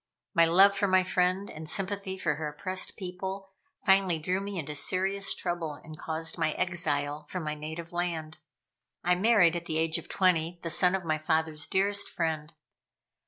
My love for my friend, and sympathy for her oppressed people, finally drew me into serious trouble and caused my exile from my native land. I married at the age of twenty the son of my father's dearest friend.